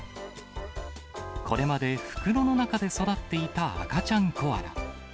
これまで袋の中で育っていた赤ちゃんコアラ。